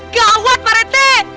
gawat pak rt